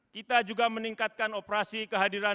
kita juga meningkatkan operasi kehadiran